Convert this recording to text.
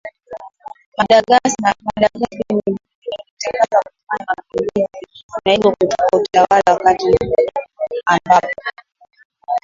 madagascar limetangaza kufanya mapinduzi na hivyo kuchukuwa utawala wakati ambapo